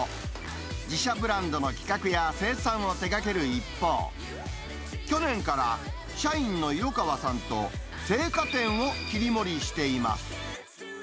自社ブランドの企画や生産を手掛ける一方、去年から、社員の色川さんと青果店を切り盛りしています。